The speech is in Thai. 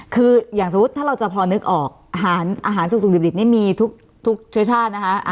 คืออย่างสมมุติถ้าเราจะพอนึกออกอาหารสุกดิบนี่มีทุกเชื้อชาตินะคะ